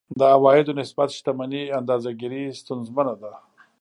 د عوایدو نسبت شتمنۍ اندازه ګیري ستونزمنه ده.